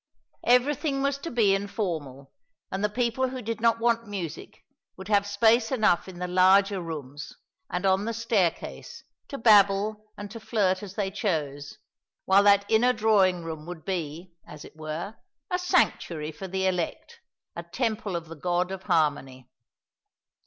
Everything was to be informal; and the people who did not want music would have space enough in the larger rooms and on the staircase to babble and to flirt as they chose; while that inner drawing room would be, as it were, a sanctuary for the elect, a temple of the god of harmony.